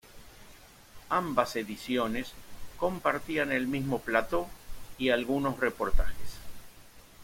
Ambas ediciones compartían el mismo plató y algunos reportajes.